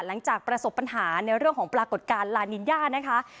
หลังจากประสบปัญหาในเรื่องของปรากฏการณ์ลานินย่านะคะ